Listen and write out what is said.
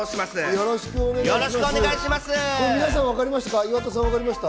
よろしくお願いします。